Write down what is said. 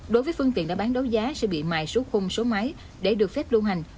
đối với phương tiện đã bán đấu giá sẽ bị mài số khung số máy để được phép lưu hành